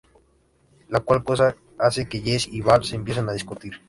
La cual cosa hace que Jess y Val empiecen a discutir.